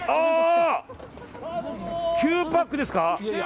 ９パックですか。